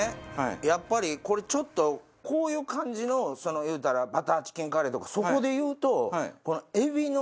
やっぱりこれちょっとこういう感じの言うたらバターチキンカレーとかそこで言うと。